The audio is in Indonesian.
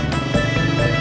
bang kopinya nanti aja ya